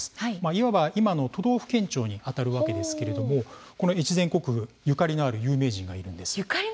いわば今の都道府県庁にあたるわけですけれどもこの越前国府ゆかりのある有名人がいるんです。